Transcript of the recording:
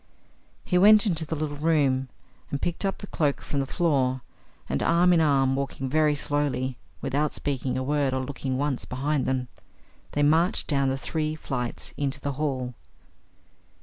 He went into the little room and picked up the cloak from the floor, and, arm in arm, walking very slowly, without speaking a word or looking once behind them, they marched down the three flights into the hall.